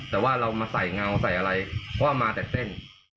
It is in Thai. แต่ว่าเรามาใส่เงาใส่อะไรเพราะว่ามาแต่เส้น